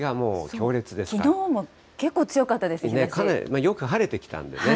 きのうも結構強かったですね。